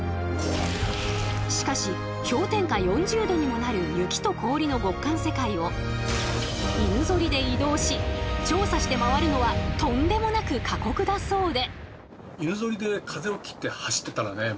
しかし氷点下４０℃にもなる雪と氷の極寒世界を犬ぞりで移動し調査して回るのはとんでもなく過酷だそうで。